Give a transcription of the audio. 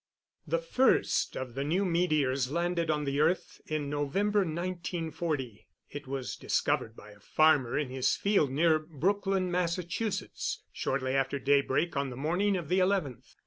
The first of the new meteors landed on the earth in November, 1940. It was discovered by a farmer in his field near Brookline, Massachusetts, shortly after daybreak on the morning of the 11th.